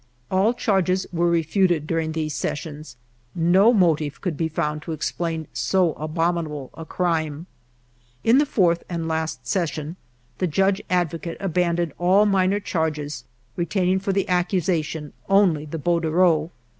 All charges were refuted during these sessions. No motive could be found to explain so abomi nable a crime. In the fourth and last session, the Judge Ad vocate abandoned all minor charges, retaining for the accusation only the bordereau.